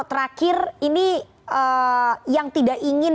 terakhir ini yang tidak ingin